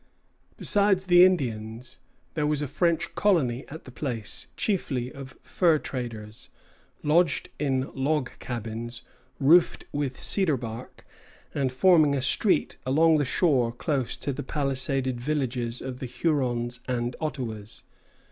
Besides the Indians, there was a French colony at the place, chiefly of fur traders, lodged in log cabins, roofed with cedar bark, and forming a street along the shore close to the palisaded villages of the Hurons and Ottawas.